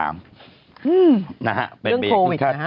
เรื่องโควิดนะฮะ